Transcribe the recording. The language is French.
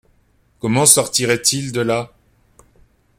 Comment sortirait-il de là?